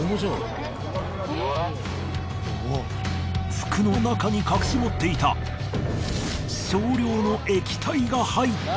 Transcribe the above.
服の中に隠し持っていた少量のわっ捨てた。